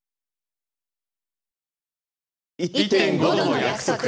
「１．５℃の約束